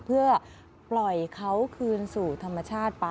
เพื่อปล่อยเขาคืนสู่ธรรมชาติไป